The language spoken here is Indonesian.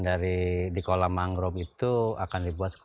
dari di kolam mangrove itu akan dibuat sekolah